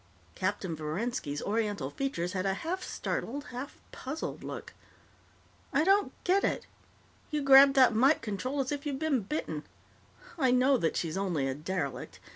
Captain Verenski's Oriental features had a half startled, half puzzled look. "I don't get it. You grabbed that mike control as if you'd been bitten. I know that she's only a derelict.